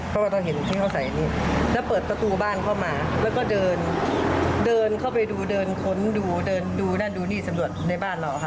เพราะว่าเราเห็นที่เขาใส่นี่แล้วเปิดประตูบ้านเข้ามาแล้วก็เดินเดินเข้าไปดูเดินค้นดูเดินดูนั่นดูนี่สำรวจในบ้านเราค่ะ